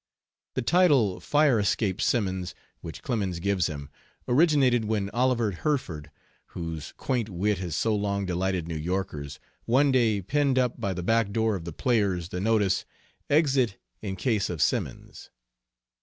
The title; "Fire escape Simmons," which Clemens gives him, originated when Oliver Herford, whose quaint wit has so long delighted New Yorkers, one day pinned up by the back door of the Players the notice: "Exit in case of Simmons."